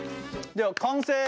では完成！